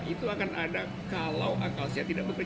itu akan ada kalau akal sehat tidak bekerja